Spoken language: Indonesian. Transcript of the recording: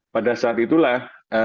pada saat itulah